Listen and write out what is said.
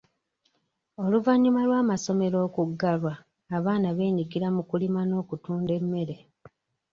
Oluvannyuma lw'amasomero okuggalwa, abaana benyigira mu kulima n'okutunda emmere.